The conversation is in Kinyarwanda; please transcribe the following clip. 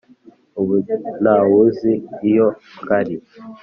ubuntawuzi iyo kari